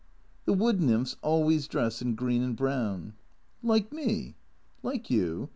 " The wood nymphs always dress in green and brown." "Like me?" "Like you.